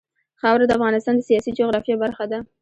خاوره د افغانستان د سیاسي جغرافیه برخه ده.